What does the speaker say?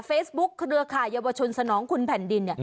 เฟซบุ๊กเรือขายวชุนสนองคุณแผ่นดิน